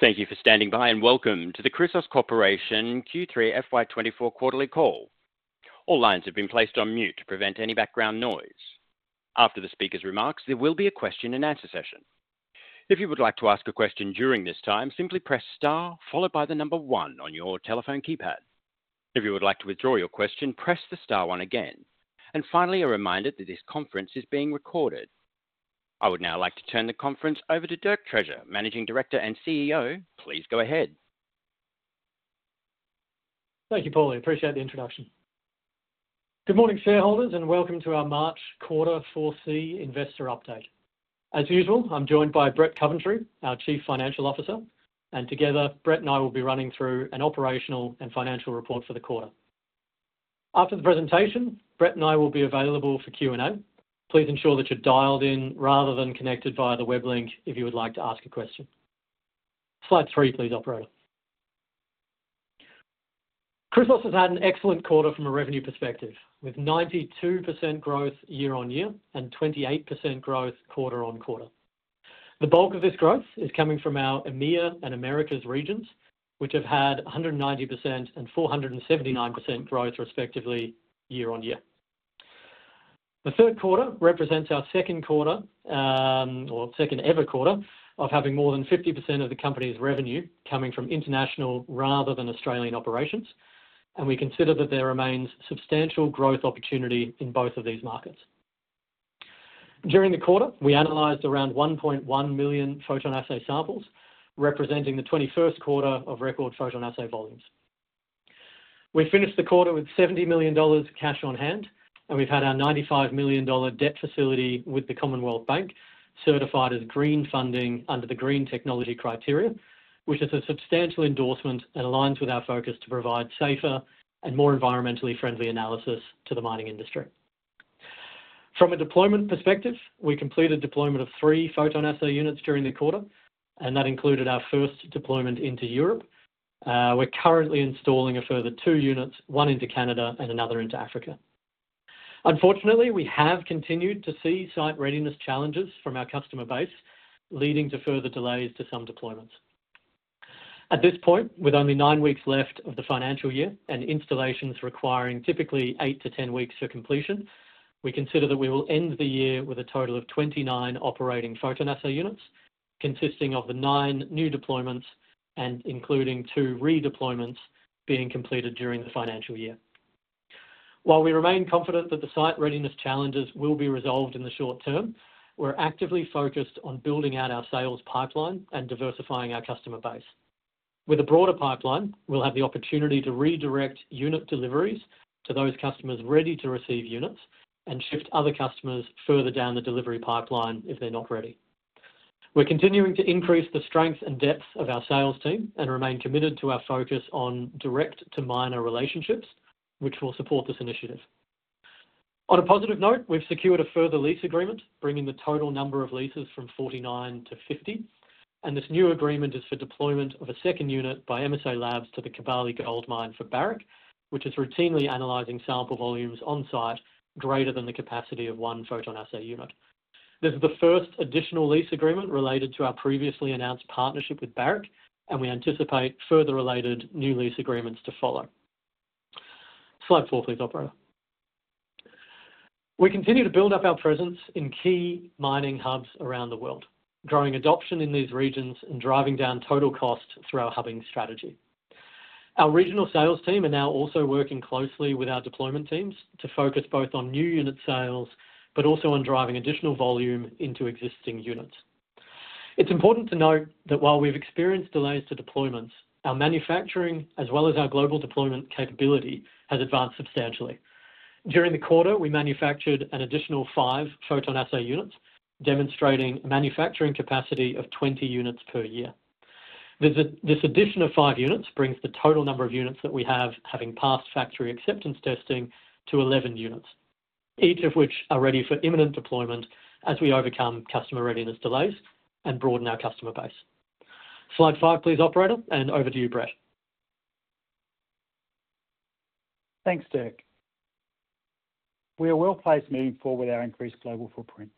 Thank you for standing by and welcome to the Chrysos Corporation Q3 FY2024 quarterly call. All lines have been placed on mute to prevent any background noise. After the speaker's remarks, there will be a question-and-answer session. If you would like to ask a question during this time, simply press star followed by the number one on your telephone keypad. If you would like to withdraw your question, press the star one again. And finally, a reminder that this conference is being recorded. I would now like to turn the conference over to Dirk Treasure, Managing Director and CEO. Please go ahead. Thank you, Paulie. Appreciate the introduction. Good morning, shareholders, and welcome to our March Quarter 4C investor update. As usual, I'm joined by Brett Coventry, our Chief Financial Officer, and together, Brett and I will be running through an operational and financial report for the quarter. After the presentation, Brett and I will be available for Q&A. Please ensure that you're dialed in rather than connected via the web link if you would like to ask a question. Slide 3, please, operator. Chrysos has had an excellent quarter from a revenue perspective, with 92% growth year-over-year and 28% growth quarter-over-quarter. The bulk of this growth is coming from our EMEA and Americas regions, which have had 190% and 479% growth, respectively, year-over-year. The third quarter represents our second quarter or second-ever quarter of having more than 50% of the company's revenue coming from international rather than Australian operations, and we consider that there remains substantial growth opportunity in both of these markets. During the quarter, we analyzed around 1.1 million PhotonAssay samples, representing the 21st quarter of record PhotonAssay volumes. We finished the quarter with 70 million dollars cash on hand, and we've had our 95 million dollar debt facility with the Commonwealth Bank certified as green funding under the Green Technology Criteria, which is a substantial endorsement and aligns with our focus to provide safer and more environmentally friendly analysis to the mining industry. From a deployment perspective, we completed deployment of three PhotonAssay units during the quarter, and that included our first deployment into Europe. We're currently installing a further two units, one into Canada and another into Africa. Unfortunately, we have continued to see site readiness challenges from our customer base, leading to further delays to some deployments. At this point, with only 9 weeks left of the financial year and installations requiring typically 8 to 10 weeks for completion, we consider that we will end the year with a total of 29 operating PhotonAssay units, consisting of the 9 new deployments and including 2 redeployments being completed during the financial year. While we remain confident that the site readiness challenges will be resolved in the short term, we're actively focused on building out our sales pipeline and diversifying our customer base. With a broader pipeline, we'll have the opportunity to redirect unit deliveries to those customers ready to receive units and shift other customers further down the delivery pipeline if they're not ready. We're continuing to increase the strength and depth of our sales team and remain committed to our focus on direct-to-miner relationships, which will support this initiative. On a positive note, we've secured a further lease agreement, bringing the total number of leases from 49 to 50, and this new agreement is for deployment of a second unit by MSALABS to the Kibali Gold Mine for Barrick, which is routinely analyzing sample volumes on site greater than the capacity of one PhotonAssay unit. This is the first additional lease agreement related to our previously announced partnership with Barrick, and we anticipate further related new lease agreements to follow. Slide 4, please, operator. We continue to build up our presence in key mining hubs around the world, growing adoption in these regions and driving down total costs through our hubbing strategy. Our regional sales team are now also working closely with our deployment teams to focus both on new unit sales but also on driving additional volume into existing units. It's important to note that while we've experienced delays to deployments, our manufacturing, as well as our global deployment capability, has advanced substantially. During the quarter, we manufactured an additional five PhotonAssay units, demonstrating a manufacturing capacity of 20 units per year. This addition of five units brings the total number of units that we have having passed factory acceptance testing to 11 units, each of which are ready for imminent deployment as we overcome customer readiness delays and broaden our customer base. Slide 5, please, operator, and over to you, Brett. Thanks, Dirk. We are well placed moving forward with our increased global footprint,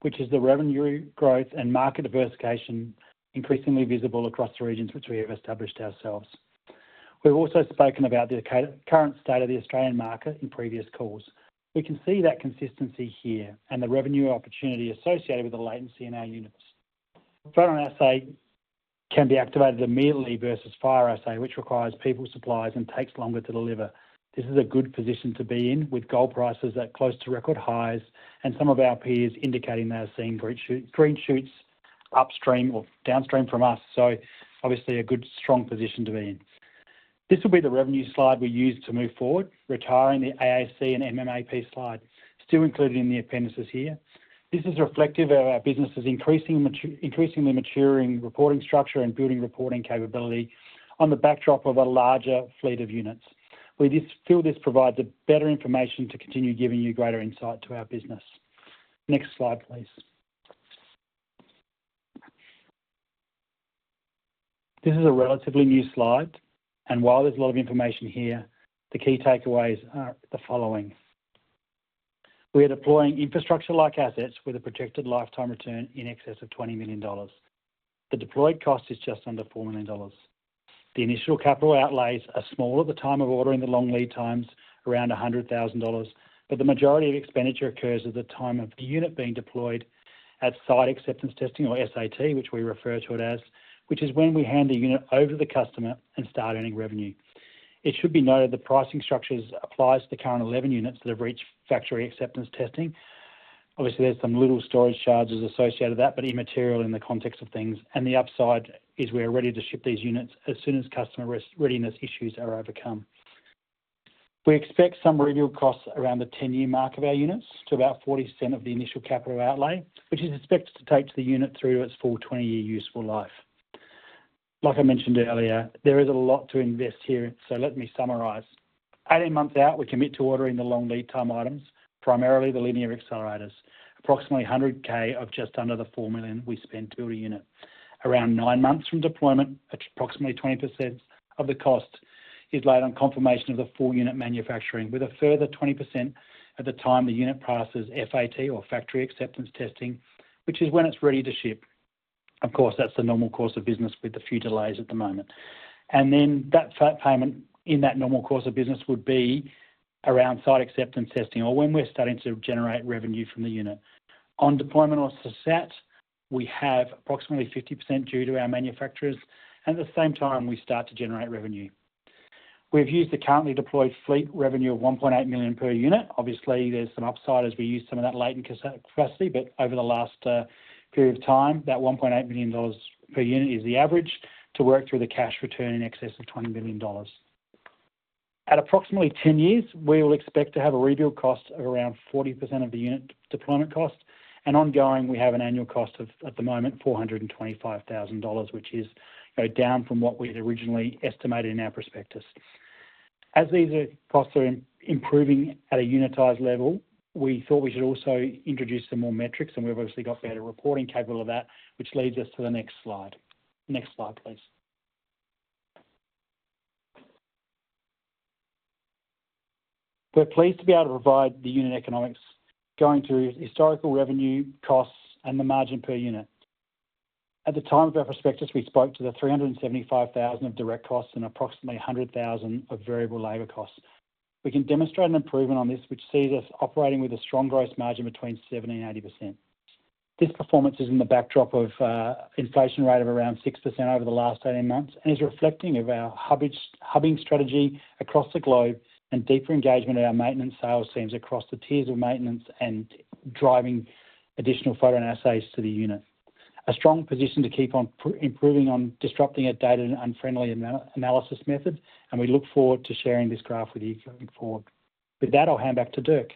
which is the revenue growth and market diversification increasingly visible across the regions which we have established ourselves. We've also spoken about the current state of the Australian market in previous calls. We can see that consistency here and the revenue opportunity associated with the latency in our units. PhotonAssay can be activated immediately versus fire assay, which requires people, supplies, and takes longer to deliver. This is a good position to be in with gold prices at close to record highs and some of our peers indicating they are seeing green shoots upstream or downstream from us. So obviously, a good, strong position to be in. This will be the revenue slide we use to move forward, retiring the AAC and MMAP slide, still included in the appendices here. This is reflective of our business's increasingly maturing reporting structure and building reporting capability on the backdrop of a larger fleet of units. We feel this provides better information to continue giving you greater insight to our business. Next slide, please. This is a relatively new slide, and while there's a lot of information here, the key takeaways are the following. We are deploying infrastructure-like assets with a projected lifetime return in excess of 20 million dollars. The deployed cost is just under 4 million dollars. The initial capital outlays are small at the time of ordering the long lead times, around 100,000 dollars, but the majority of expenditure occurs at the time of the unit being deployed at Site Acceptance Testing, or SAT, which we refer to it as, which is when we hand the unit over to the customer and start earning revenue. It should be noted the pricing structures apply to the current 11 units that have reached factory acceptance testing. Obviously, there's some little storage charges associated with that, but immaterial in the context of things. The upside is we are ready to ship these units as soon as customer readiness issues are overcome. We expect some rebuild costs around the 10-year mark of our units to about 40% of the initial capital outlay, which is expected to take to the unit through to its full 20-year useful life. Like I mentioned earlier, there is a lot to invest here, so let me summarize. 18 months out, we commit to ordering the long lead time items, primarily the linear accelerators. Approximately 100,000 of just under the 4 million we spend to build a unit. Around nine months from deployment, approximately 20% of the cost is laid on confirmation of the full unit manufacturing, with a further 20% at the time the unit passes FAT, or factory acceptance testing, which is when it's ready to ship. Of course, that's the normal course of business with the few delays at the moment. And then that payment in that normal course of business would be around site acceptance testing or when we're starting to generate revenue from the unit. On deployment or SAT, we have approximately 50% due to our manufacturers, and at the same time, we start to generate revenue. We've used the currently deployed fleet revenue of 1.8 million per unit. Obviously, there's some upside as we use some of that latent capacity, but over the last period of time, that 1.8 million dollars per unit is the average to work through the cash return in excess of 20 million dollars. At approximately 10 years, we will expect to have a rebuild cost of around 40% of the unit deployment cost. And ongoing, we have an annual cost of, at the moment, 425,000 dollars, which is down from what we had originally estimated in our prospectus. As these costs are improving at a unitised level, we thought we should also introduce some more metrics, and we've obviously got better reporting capable of that, which leads us to the next slide. Next slide, please. We're pleased to be able to provide the unit economics, going through historical revenue, costs, and the margin per unit. At the time of our prospectus, we spoke to the 375,000 of direct costs and approximately 100,000 of variable labor costs. We can demonstrate an improvement on this, which sees us operating with a strong gross margin between 70%-80%. This performance is in the backdrop of an inflation rate of around 6% over the last 18 months and is reflecting of our hubbing strategy across the globe and deeper engagement of our maintenance sales teams across the tiers of maintenance and driving additional photon assays to the unit. A strong position to keep on improving on disrupting a data-unfriendly analysis method, and we look forward to sharing this graph with you going forward. With that, I'll hand back to Dirk.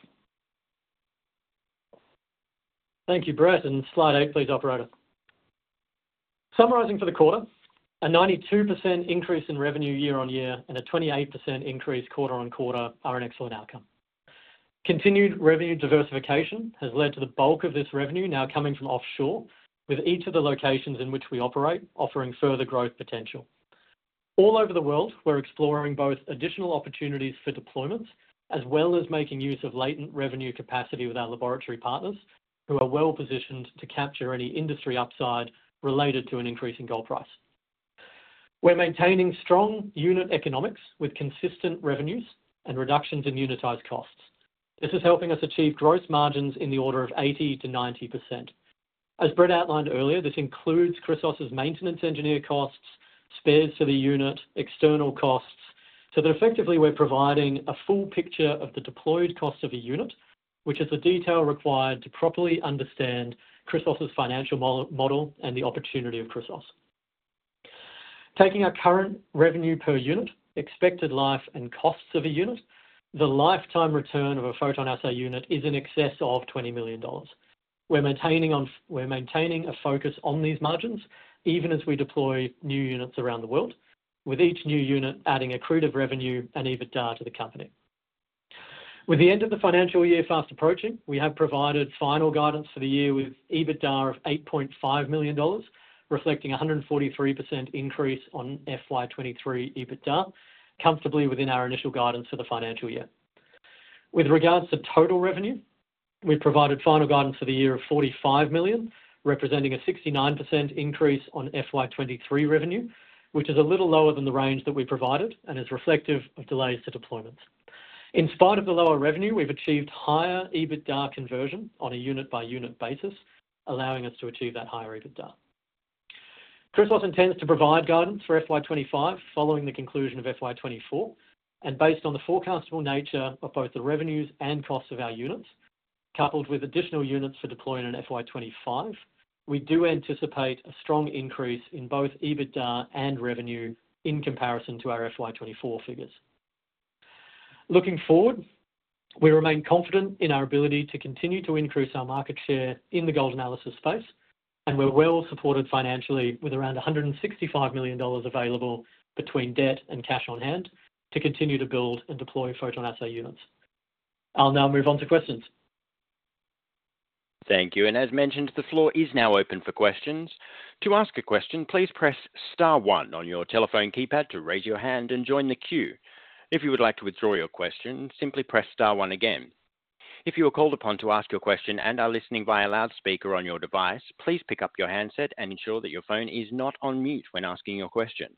Thank you, Brett. Slide 8, please, operator. Summarizing for the quarter, a 92% increase in revenue year-on-year and a 28% increase quarter-on-quarter are an excellent outcome. Continued revenue diversification has led to the bulk of this revenue now coming from offshore, with each of the locations in which we operate offering further growth potential. All over the world, we're exploring both additional opportunities for deployments as well as making use of latent revenue capacity with our laboratory partners, who are well positioned to capture any industry upside related to an increase in gold price. We're maintaining strong unit economics with consistent revenues and reductions in unitized costs. This is helping us achieve gross margins in the order of 80%-90%. As Brett outlined earlier, this includes Chrysos's maintenance engineer costs, spares for the unit, external costs, so that effectively we're providing a full picture of the deployed cost of a unit, which is the detail required to properly understand Chrysos's financial model and the opportunity of Chrysos. Taking our current revenue per unit, expected life, and costs of a unit, the lifetime return of a PhotonAssay unit is in excess of 20 million dollars. We're maintaining a focus on these margins even as we deploy new units around the world, with each new unit adding accrued revenue and EBITDA to the company. With the end of the financial year fast approaching, we have provided final guidance for the year with EBITDA of 8.5 million dollars, reflecting a 143% increase on FY2023 EBITDA, comfortably within our initial guidance for the financial year. With regards to total revenue, we've provided final guidance for the year of 45 million, representing a 69% increase on FY2023 revenue, which is a little lower than the range that we provided and is reflective of delays to deployments. In spite of the lower revenue, we've achieved higher EBITDA conversion on a unit-by-unit basis, allowing us to achieve that higher EBITDA. Chrysos intends to provide guidance for FY2025 following the conclusion of FY2024, and based on the forecastable nature of both the revenues and costs of our units, coupled with additional units for deploying in FY2025, we do anticipate a strong increase in both EBITDA and revenue in comparison to our FY2024 figures. Looking forward, we remain confident in our ability to continue to increase our market share in the gold analysis space, and we're well supported financially with around 165 million dollars available between debt and cash on hand to continue to build and deploy PhotonAssay units. I'll now move on to questions. Thank you. As mentioned, the floor is now open for questions. To ask a question, please press star one on your telephone keypad to raise your hand and join the queue. If you would like to withdraw your question, simply press star one again. If you are called upon to ask your question and are listening via loudspeaker on your device, please pick up your handset and ensure that your phone is not on mute when asking your question.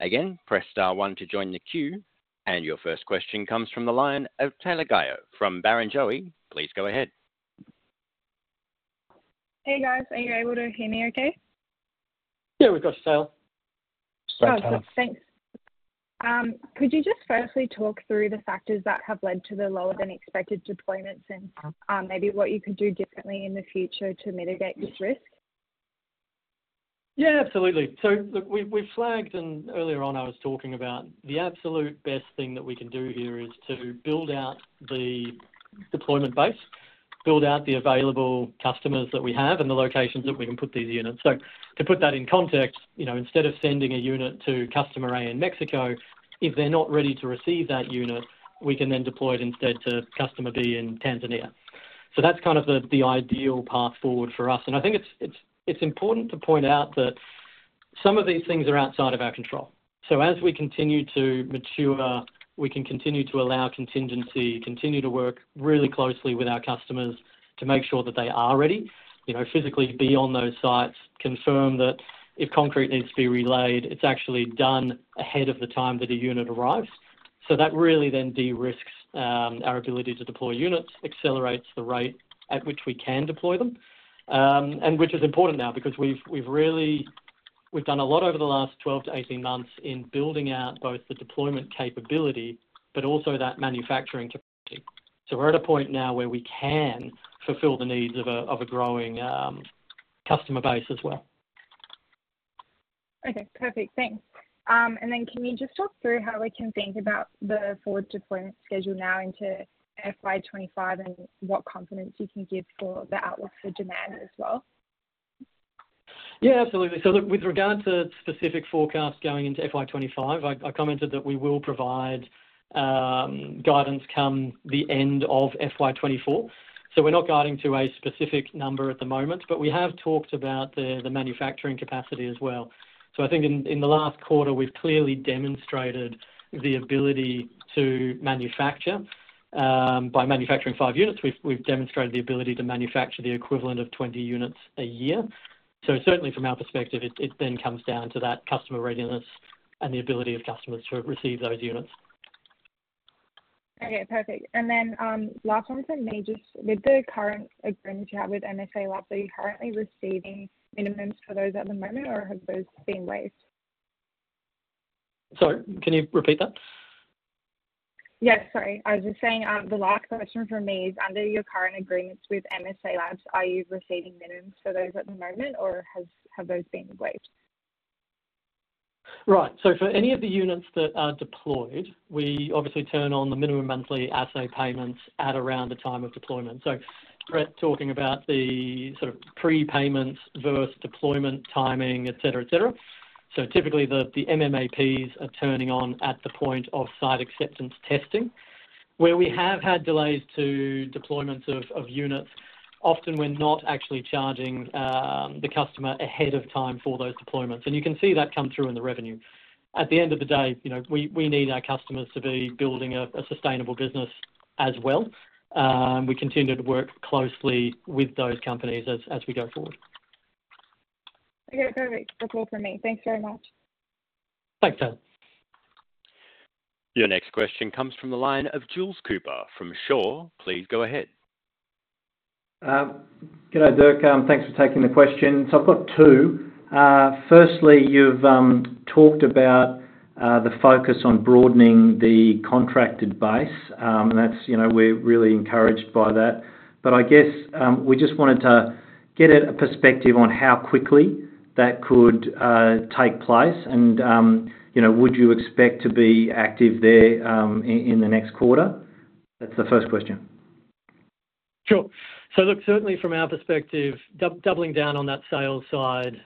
Again, press star one to join the queue, and your first question comes from the line of Taylor Guyot from Barrenjoey. Please go ahead. Hey, guys. Are you able to hear me okay? Yeah, we've got you, Taylor. Sounds good. Thanks. Could you just firstly talk through the factors that have led to the lower-than-expected deployments and maybe what you could do differently in the future to mitigate this risk? Yeah, absolutely. So look, we've flagged and earlier on I was talking about the absolute best thing that we can do here is to build out the deployment base, build out the available customers that we have, and the locations that we can put these units. So to put that in context, instead of sending a unit to Customer A in Mexico, if they're not ready to receive that unit, we can then deploy it instead to Customer B in Tanzania. So that's kind of the ideal path forward for us. And I think it's important to point out that some of these things are outside of our control. So as we continue to mature, we can continue to allow contingency, continue to work really closely with our customers to make sure that they are ready, physically be on those sites, confirm that if concrete needs to be relayed, it's actually done ahead of the time that a unit arrives. So that really then de-risks our ability to deploy units, accelerates the rate at which we can deploy them, and which is important now because we've done a lot over the last 12-18 months in building out both the deployment capability but also that manufacturing capacity. So we're at a point now where we can fulfill the needs of a growing customer base as well. Okay, perfect. Thanks. And then can you just talk through how we can think about the forward deployment schedule now into FY2025 and what confidence you can give for the outlook for demand as well? Yeah, absolutely. So look, with regard to specific forecasts going into FY2025, I commented that we will provide guidance come the end of FY2024. So we're not guiding to a specific number at the moment, but we have talked about the manufacturing capacity as well. So I think in the last quarter, we've clearly demonstrated the ability to manufacture. By manufacturing five units, we've demonstrated the ability to manufacture the equivalent of 20 units a year. So certainly, from our perspective, it then comes down to that customer readiness and the ability of customers to receive those units. Okay, perfect. And then last one for me, just with the current agreements you have with MSALABS, are you currently receiving minimums for those at the moment, or have those been waived? Sorry, can you repeat that? Yes, sorry. I was just saying the last question for me is, under your current agreements with MSALABS, are you receiving minimums for those at the moment, or have those been waived? Right. So for any of the units that are deployed, we obviously turn on the minimum monthly assay payments at around the time of deployment. So Brett talking about the sort of prepayments versus deployment timing, etc., etc. So typically, the MMAPs are turning on at the point of site acceptance testing. Where we have had delays to deployments of units, often we're not actually charging the customer ahead of time for those deployments. And you can see that come through in the revenue. At the end of the day, we need our customers to be building a sustainable business as well. We continue to work closely with those companies as we go forward. Okay, perfect. That's all for me. Thanks very much. Thanks, Taylor. Your next question comes from the line of Jules Cooper from Shaw and Partners. Please go ahead. G'day, Dirk. Thanks for taking the question. So I've got two. Firstly, you've talked about the focus on broadening the contracted base, and we're really encouraged by that. But I guess we just wanted to get a perspective on how quickly that could take place. And would you expect to be active there in the next quarter? That's the first question. Sure. So look, certainly from our perspective, doubling down on that sales side,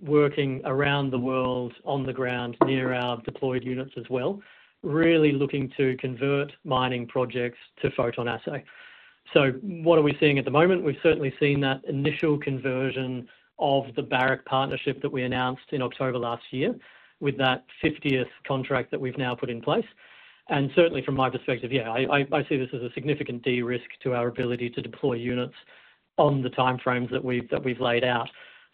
working around the world on the ground near our deployed units as well, really looking to convert mining projects to photon assay. So what are we seeing at the moment? We've certainly seen that initial conversion of the Barrick partnership that we announced in October last year with that 50th contract that we've now put in place. And certainly, from my perspective, yeah, I see this as a significant de-risk to our ability to deploy units on the timeframes that we've laid out.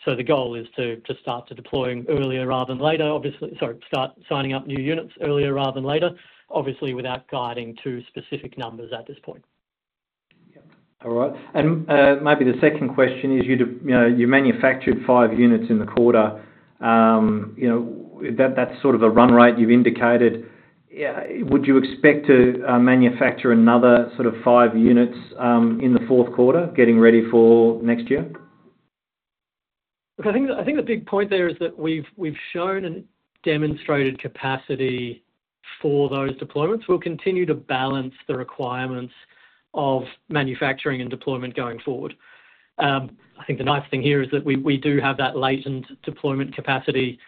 So the goal is to start deploying earlier rather than later, obviously sorry, start signing up new units earlier rather than later, obviously without guiding to specific numbers at this point. All right. Maybe the second question is, you manufactured 5 units in the quarter. That's sort of a run rate you've indicated. Would you expect to manufacture another sort of 5 units in the fourth quarter, getting ready for next year? Look, I think the big point there is that we've shown and demonstrated capacity for those deployments. We'll continue to balance the requirements of manufacturing and deployment going forward. I think the nice thing here is that we do have that latent deployment capacity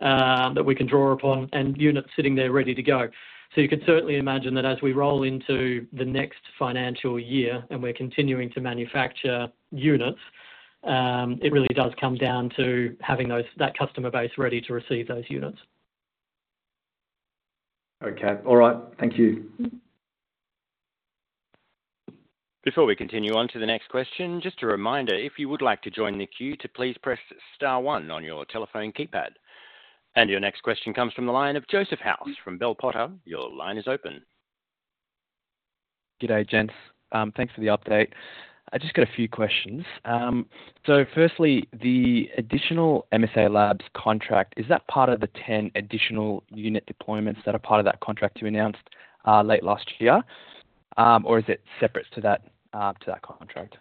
that we can draw upon and units sitting there ready to go. So you could certainly imagine that as we roll into the next financial year and we're continuing to manufacture units, it really does come down to having that customer base ready to receive those units. Okay. All right. Thank you. Before we continue on to the next question, just a reminder, if you would like to join the queue, to please press star one on your telephone keypad. And your next question comes from the line of Joseph House from Bell Potter. Your line is open. G'day, Jens. Thanks for the update. I just got a few questions. So firstly, the additional MSALABS contract, is that part of the 10 additional unit deployments that are part of that contract you announced late last year, or is it separate to that contract?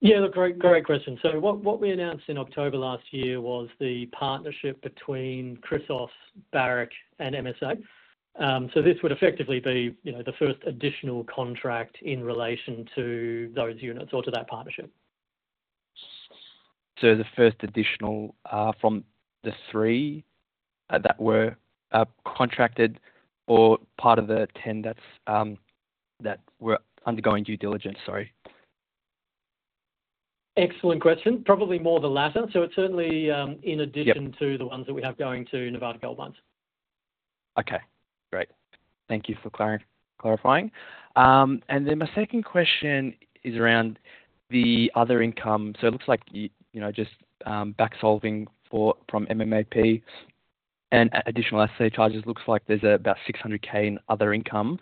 Yeah, look, great question. So what we announced in October last year was the partnership between Chrysos, Barrick, and MSALABS. So this would effectively be the first additional contract in relation to those units or to that partnership. The first additional from the three that were contracted or part of the 10 that were undergoing due diligence, sorry? Excellent question. Probably more the latter. So it's certainly in addition to the ones that we have going to Nevada Gold Mines. Okay, great. Thank you for clarifying. And then my second question is around the other income. So it looks like just backsolving from MMAP and additional assay charges, looks like there's about 600,000 in other income.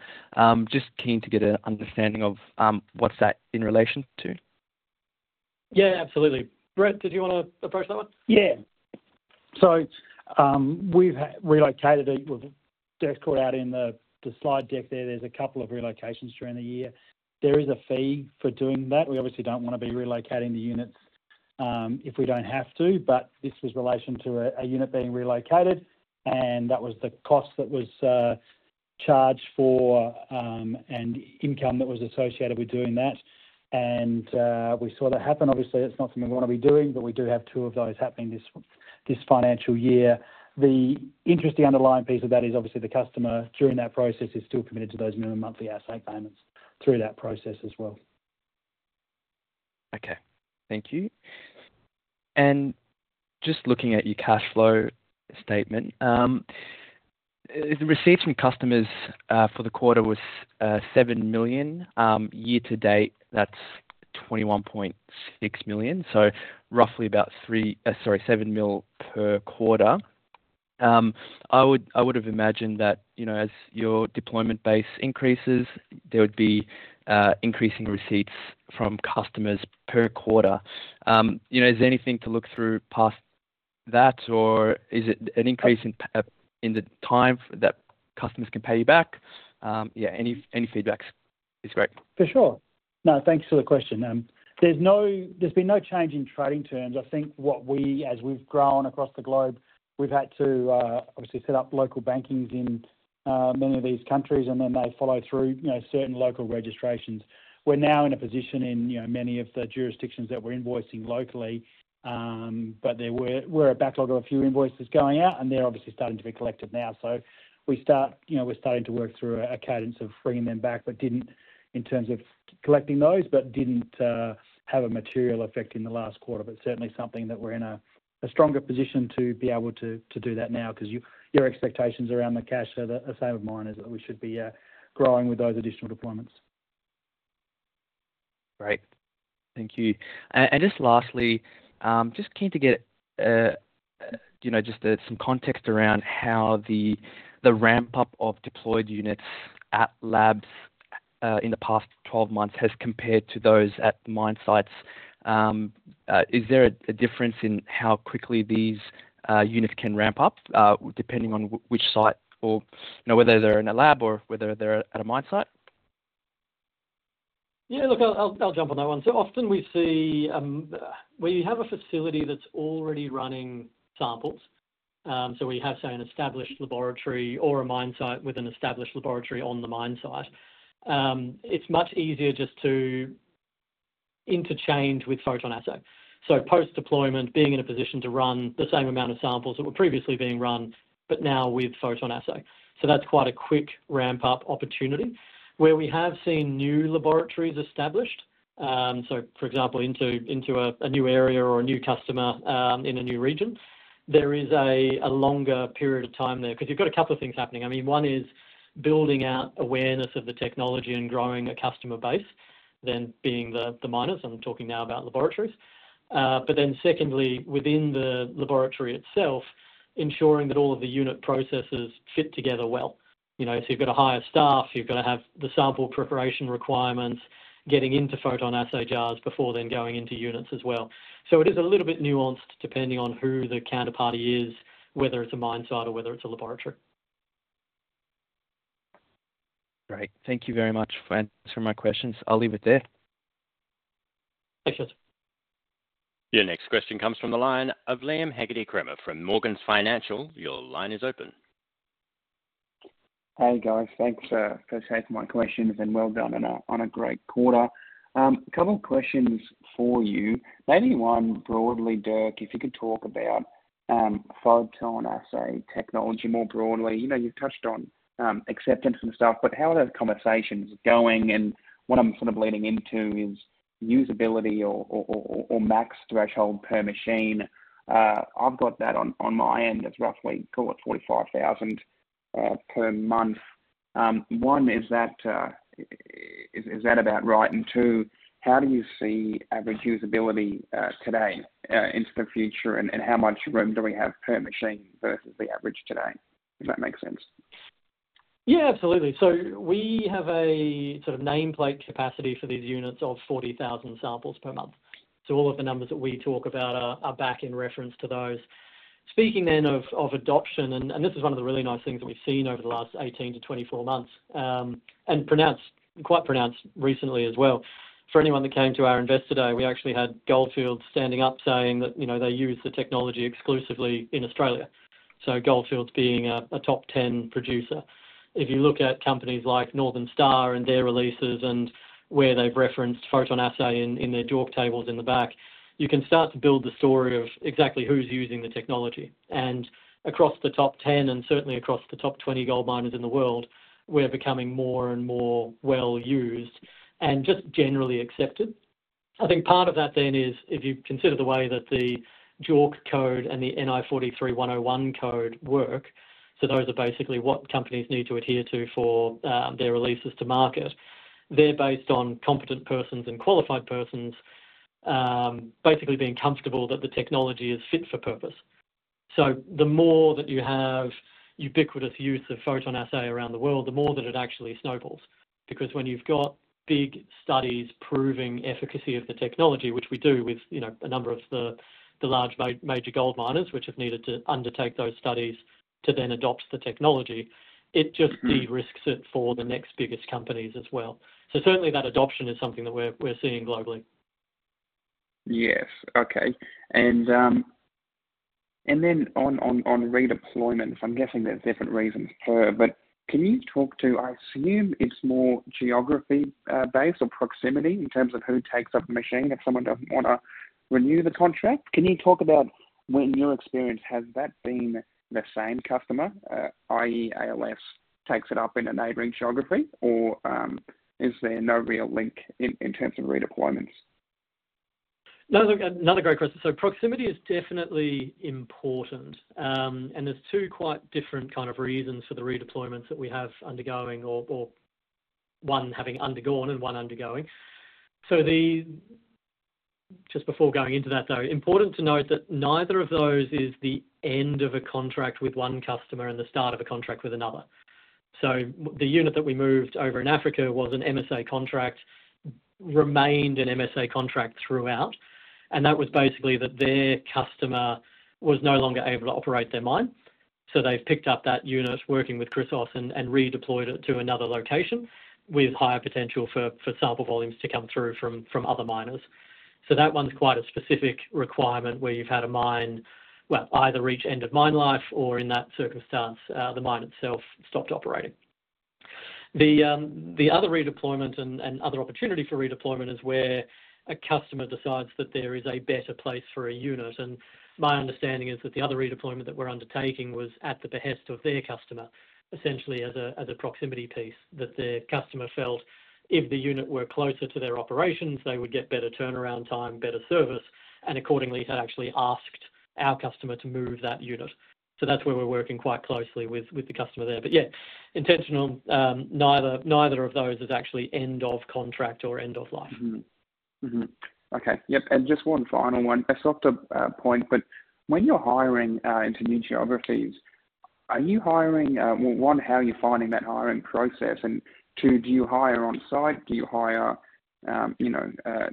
Just keen to get an understanding of what's that in relation to? Yeah, absolutely. Brett, did you want to approach that one? Yeah. So we've relocated it. We've just caught out in the slide deck there, there's a couple of relocations during the year. There is a fee for doing that. We obviously don't want to be relocating the units if we don't have to, but this was in relation to a unit being relocated, and that was the cost that was charged for and income that was associated with doing that. We saw that happen. Obviously, it's not something we want to be doing, but we do have two of those happening this financial year. The interesting underlying piece of that is obviously the customer during that process is still committed to those minimum monthly assay payments through that process as well. Okay, thank you. Just looking at your cash flow statement, the receipts from customers for the quarter was 7 million. Year to date, that's 21.6 million, so roughly about 3, sorry, 7 mil per quarter. I would have imagined that as your deployment base increases, there would be increasing receipts from customers per quarter. Is there anything to look through past that, or is it an increase in the time that customers can pay you back? Yeah, any feedback is great. For sure. No, thanks for the question. There's been no change in trading terms. I think as we've grown across the globe, we've had to obviously set up local bankings in many of these countries, and then they follow through certain local registrations. We're now in a position in many of the jurisdictions that we're invoicing locally, but there were a backlog of a few invoices going out, and they're obviously starting to be collected now. So we're starting to work through a cadence of bringing them back in terms of collecting those, but didn't have a material effect in the last quarter. But certainly, something that we're in a stronger position to be able to do that now because your expectations around the cash are the same as mine is that we should be growing with those additional deployments. Great. Thank you. And just lastly, just keen to get just some context around how the ramp-up of deployed units at labs in the past 12 months has compared to those at mine sites. Is there a difference in how quickly these units can ramp up depending on which site or whether they're in a lab or whether they're at a mine site? Yeah, look, I'll jump on that one. So often we see where you have a facility that's already running samples, so we have, say, an established laboratory or a mine site with an established laboratory on the mine site; it's much easier just to interchange with PhotonAssay. So post-deployment, being in a position to run the same amount of samples that were previously being run but now with PhotonAssay. So that's quite a quick ramp-up opportunity. Where we have seen new laboratories established, so for example, into a new area or a new customer in a new region, there is a longer period of time there because you've got a couple of things happening. I mean, one is building out awareness of the technology and growing a customer base, then being the miners—I'm talking now about laboratories—but then secondly, within the laboratory itself, ensuring that all of the unit processes fit together well. So you've got a higher staff. You've got to have the sample preparation requirements getting into PhotonAssay jars before then going into units as well. So it is a little bit nuanced depending on who the counterparty is, whether it's a mine site or whether it's a laboratory. Great. Thank you very much for answering my questions. I'll leave it there. Thanks, Joseph. Your next question comes from the line of Liam Hagerty-Cremer from Morgans Financial. Your line is open. Hey, guys. Thanks for taking my questions, and well done on a great quarter. A couple of questions for you. Maybe one broadly, Dirk, if you could talk about PhotonAssay technology more broadly. You've touched on acceptance and stuff, but how are those conversations going? And what I'm sort of leading into is usability or max threshold per machine. I've got that on my end as roughly, call it, 45,000 per month. One, is that about right? And two, how do you see average usability today into the future, and how much room do we have per machine versus the average today? Does that make sense? Yeah, absolutely. So we have a sort of nameplate capacity for these units of 40,000 samples per month. So all of the numbers that we talk about are back in reference to those. Speaking then of adoption, and this is one of the really nice things that we've seen over the last 18-24 months and quite pronounced recently as well. For anyone that came to our invest today, we actually had Gold Fields standing up saying that they use the technology exclusively in Australia, so Gold Fields being a top 10 producer. If you look at companies like Northern Star and their releases and where they've referenced PhotonAssay in their JORC tables in the back, you can start to build the story of exactly who's using the technology. Across the top 10 and certainly across the top 20 gold miners in the world, we're becoming more and more well used and just generally accepted. I think part of that then is if you consider the way that the JORC Code and the NI 43-101 Code work - so those are basically what companies need to adhere to for their releases to market - they're based on competent persons and qualified persons basically being comfortable that the technology is fit for purpose. So the more that you have ubiquitous use of PhotonAssay around the world, the more that it actually snowballs because when you've got big studies proving efficacy of the technology, which we do with a number of the large major gold miners which have needed to undertake those studies to then adopt the technology, it just de-risks it for the next biggest companies as well. So certainly, that adoption is something that we're seeing globally. Yes. Okay. And then on redeployment, I'm guessing there's different reasons per, but can you talk to? I assume it's more geography-based or proximity in terms of who takes up the machine if someone doesn't want to renew the contract. Can you talk about, in your experience, has that been the same customer, i.e., ALS takes it up in a neighboring geography, or is there no real link in terms of redeployments? No, look, another great question. So proximity is definitely important, and there's two quite different kind of reasons for the redeployments that we have undergoing or one having undergone and one undergoing. So just before going into that, though, important to note that neither of those is the end of a contract with one customer and the start of a contract with another. So the unit that we moved over in Africa was an MSA contract, remained an MSA contract throughout, and that was basically that their customer was no longer able to operate their mine. So they've picked up that unit working with Chrysos and redeployed it to another location with higher potential for sample volumes to come through from other miners. So that's quite a specific requirement where you've had a mine, well, either reach end of mine life or in that circumstance, the mine itself stopped operating. The other redeployment and other opportunity for redeployment is where a customer decides that there is a better place for a unit. And my understanding is that the other redeployment that we're undertaking was at the behest of their customer, essentially as a proximity piece, that their customer felt if the unit were closer to their operations, they would get better turnaround time, better service, and accordingly, had actually asked our customer to move that unit. So that's where we're working quite closely with the customer there. But yeah, intentional, neither of those is actually end of contract or end of life. Okay. Yep. And just one final one. I swapped a point, but when you're hiring into new geographies, are you hiring well, one, how are you finding that hiring process? And two, do you hire on site? Do you hire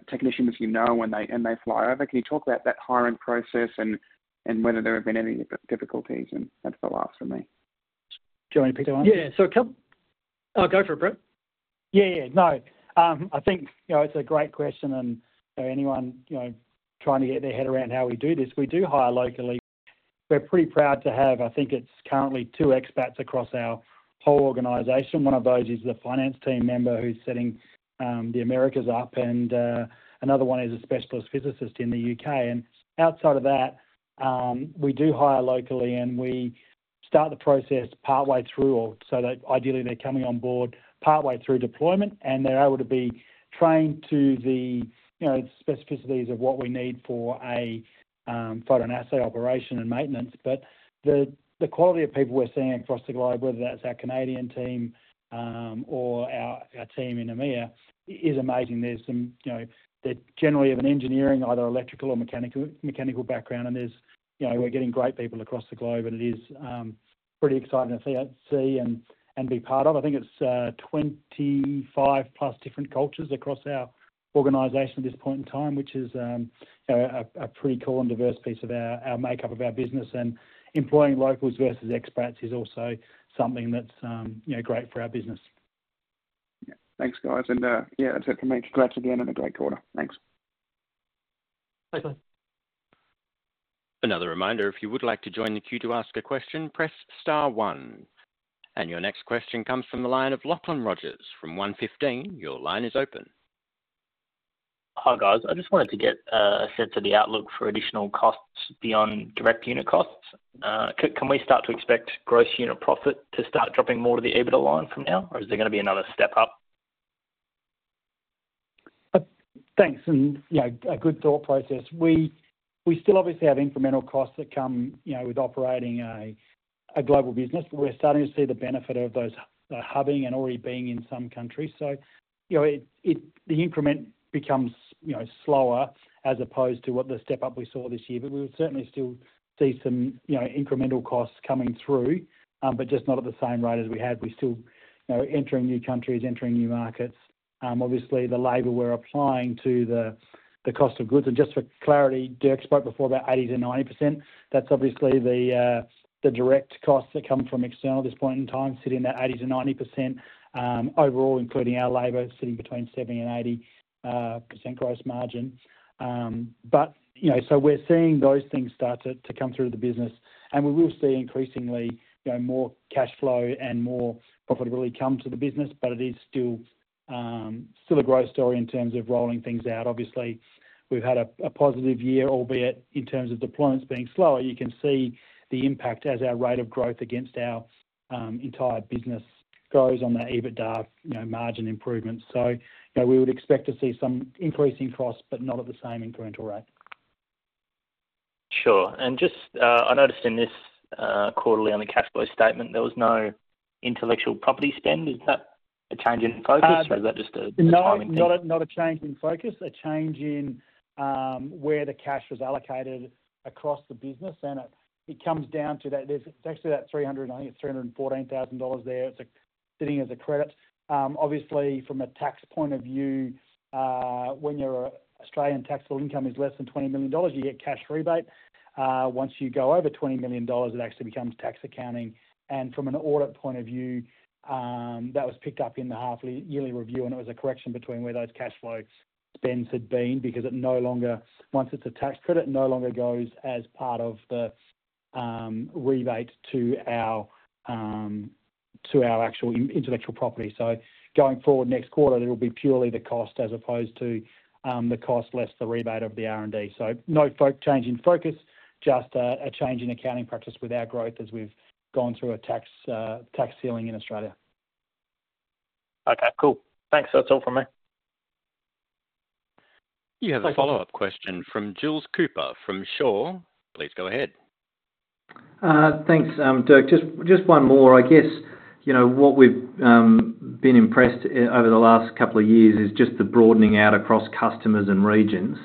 technicians you know and they fly over? Can you talk about that hiring process and whether there have been any difficulties? And that's the last from me. Do you want me to pick that one? Yeah. So a couple, oh, go for it, Brett. Yeah, yeah. No, I think it's a great question, and anyone trying to get their head around how we do this. We do hire locally. We're pretty proud to have I think it's currently two expats across our whole organization. One of those is the finance team member who's setting the Americas up, and another one is a specialist physicist in the U.K. And outside of that, we do hire locally, and we start the process partway through or so that ideally, they're coming on board partway through deployment, and they're able to be trained to the specificities of what we need for a PhotonAssay operation and maintenance. But the quality of people we're seeing across the globe, whether that's our Canadian team or our team in EMEA, is amazing. They generally have an engineering, either electrical or mechanical background, and we're getting great people across the globe, and it is pretty exciting to see and be part of. I think it's 25+ different cultures across our organization at this point in time, which is a pretty cool and diverse piece of our makeup of our business. And employing locals versus expats is also something that's great for our business. Yeah. Thanks, guys. Yeah, that's it from me. Glad to be in a great quarter. Thanks. Thanks, mate. Another reminder, if you would like to join the queue to ask a question, press star 1. Your next question comes from the line of Lachlan Rogers. From 115, your line is open. Hi, guys. I just wanted to get a sense of the outlook for additional costs beyond direct unit costs. Can we start to expect gross unit profit to start dropping more to the EBITDA line from now, or is there going to be another step up? Thanks. And a good thought process. We still obviously have incremental costs that come with operating a global business, but we're starting to see the benefit of those hubbing and already being in some countries. So the increment becomes slower as opposed to what the step up we saw this year. But we would certainly still see some incremental costs coming through, but just not at the same rate as we had. We're still entering new countries, entering new markets. Obviously, the labor we're applying to the cost of goods and just for clarity, Dirk spoke before about 80%-90%. That's obviously the direct costs that come from external at this point in time, sitting in that 80%-90% overall, including our labor, sitting between 70% and 80% gross margin. So we're seeing those things start to come through to the business, and we will see increasingly more cash flow and more profitability come to the business. But it is still a growth story in terms of rolling things out. Obviously, we've had a positive year, albeit in terms of deployments being slower. You can see the impact as our rate of growth against our entire business grows on that EBITDA margin improvement. So we would expect to see some increasing costs, but not at the same incremental rate. Sure. I noticed in this quarterly on the cash flow statement, there was no intellectual property spend. Is that a change in focus, or is that just a timing thing? No, not a change in focus, a change in where the cash was allocated across the business. And it comes down to that it's actually that 300. I think it's 314,000 dollars there. It's sitting as a credit. Obviously, from a tax point of view, when your Australian taxable income is less than 20 million dollars, you get cash rebate. Once you go over 20 million dollars, it actually becomes tax accounting. And from an audit point of view, that was picked up in the half-yearly review, and it was a correction between where those cash flow spends had been because it no longer once it's a tax credit, it no longer goes as part of the rebate to our actual intellectual property. So going forward next quarter, it'll be purely the cost as opposed to the cost less the rebate of the R&D. No change in focus, just a change in accounting practice with our growth as we've gone through a tax ceiling in Australia. Okay. Cool. Thanks. That's all from me. You have a follow-up question from Jules Cooper from Shaw and Partners. Please go ahead. Thanks, Dirk. Just one more. I guess what we've been impressed over the last couple of years is just the broadening out across customers and regions.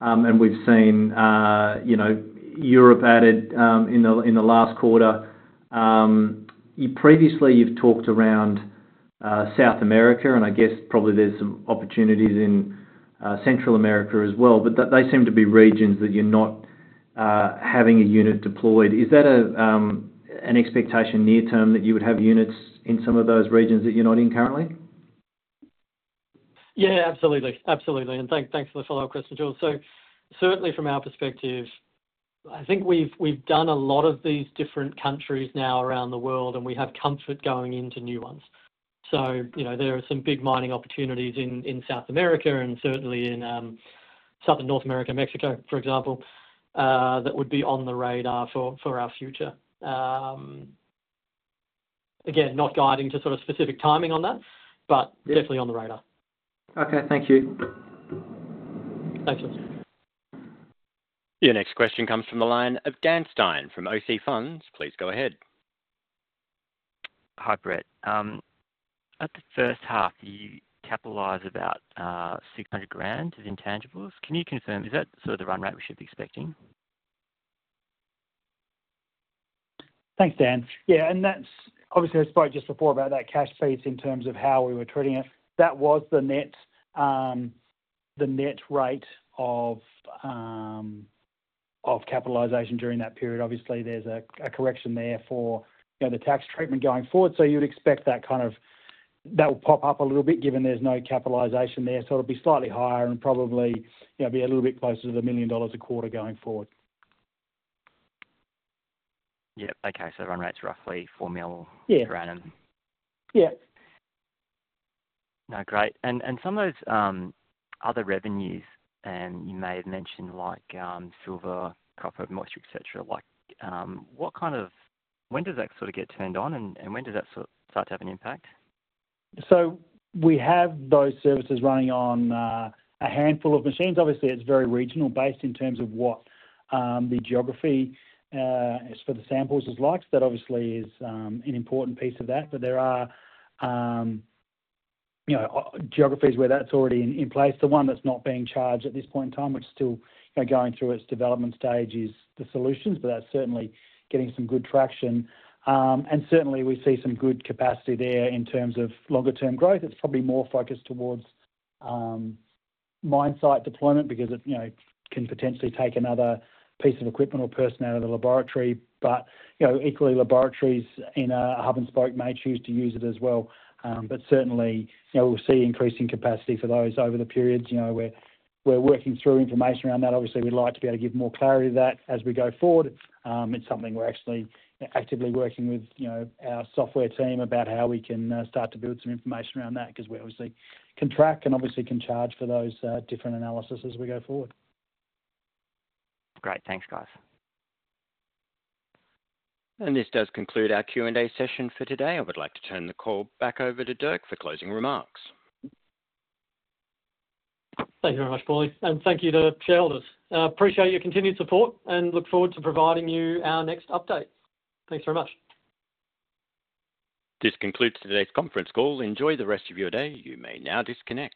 We've seen Europe added in the last quarter. Previously, you've talked around South America, and I guess probably there's some opportunities in Central America as well, but they seem to be regions that you're not having a unit deployed. Is that an expectation near-term that you would have units in some of those regions that you're not in currently? Yeah, absolutely. Absolutely. And thanks for the follow-up question, Jules. So certainly, from our perspective, I think we've done a lot of these different countries now around the world, and we have comfort going into new ones. So there are some big mining opportunities in South America and certainly in Southern North America, Mexico, for example, that would be on the radar for our future. Again, not guiding to sort of specific timing on that, but definitely on the radar. Okay. Thank you. Thanks, Jules. Your next question comes from the line of Dan Stein from OC Funds. Please go ahead. Hi, Brett. At the first half, you capitalized about 600,000 as intangibles. Can you confirm, is that sort of the run rate we should be expecting? Thanks, Dan. Yeah. And obviously, I spoke just before about that cash piece in terms of how we were treating it. That was the net rate of capitalisation during that period. Obviously, there's a correction there for the tax treatment going forward. So you'd expect that kind of that will pop up a little bit given there's no capitalisation there. So it'll be slightly higher and probably be a little bit closer to 1 million dollars a quarter going forward. Yep. Okay. So run rate's roughly 4 million and. Yeah. No, great. Some of those other revenues, and you may have mentioned silver, copper, moisture, etc., when does that sort of get turned on, and when does that start to have an impact? So we have those services running on a handful of machines. Obviously, it's very regional-based in terms of what the geography has for the samples is like. So that obviously is an important piece of that. But there are geographies where that's already in place. The one that's not being charged at this point in time, which is still going through its development stage, is the solutions, but that's certainly getting some good traction. And certainly, we see some good capacity there in terms of longer-term growth. It's probably more focused towards mine site deployment because it can potentially take another piece of equipment or personnel to the laboratory. But equally, laboratories in a hub and spoke may choose to use it as well. But certainly, we'll see increasing capacity for those over the periods. We're working through information around that. Obviously, we'd like to be able to give more clarity to that as we go forward. It's something we're actually actively working with our software team about how we can start to build some information around that because we obviously can track and obviously can charge for those different analyses as we go forward. Great. Thanks, guys. This does conclude our Q&A session for today. I would like to turn the call back over to Dirk for closing remarks. Thank you very much, Paulie. Thank you to Shareholders. Appreciate your continued support and look forward to providing you our next update. Thanks very much. This concludes today's conference call. Enjoy the rest of your day. You may now disconnect.